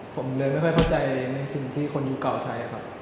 ผมเลยไม่ค่อยเข้าใจในสิ่งที่คนยุคเก่าใช้ครับ